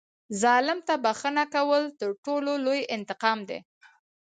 ظالم ته بښنه کول تر ټولو لوی انتقام دی.